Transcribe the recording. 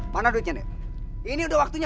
sangat sih ya